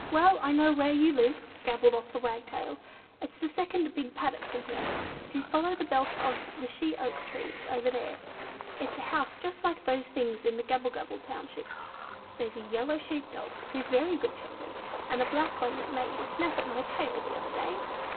"Well! I know where you live," gabbled off the Wagtail. "It's the second big paddock from here, if you follow the belt of the she oak trees over there. It's a house just like those things in Gabblebabble township. There's a yellow sheep dog, who's very good tempered, and a black one that made a snap at my tail the other day.